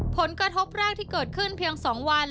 ผลกระทบแรกที่เกิดขึ้นเพียง๒วัน